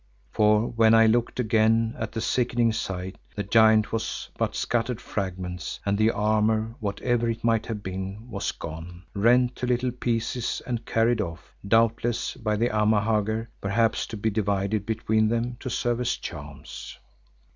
For when I looked again at the sickening sight the giant was but scattered fragments and the armour, whatever it might have been, was gone, rent to little pieces and carried off, doubtless, by the Amahagger, perhaps to be divided between them to serve as charms.